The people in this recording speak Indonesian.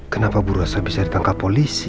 kenapa buru asa bisa ditangkap polisi